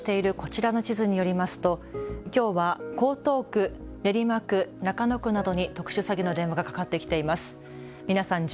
警視庁が公開しているこちらの地図によりますときょうは江東区、練馬区、中野区などに特殊詐欺の電話がかかってきています。